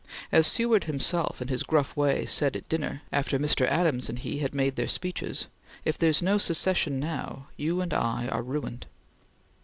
As Seward himself, in his gruff way, said at dinner, after Mr. Adams and he had made their speeches: "If there's no secession now, you and I are ruined."